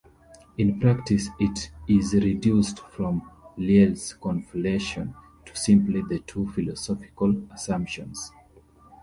In practice it is reduced from Lyell's conflation to simply the two philosophical assumptions.